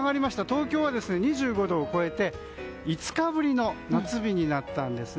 東京は２５度を超えて５日ぶりの夏日になったんです。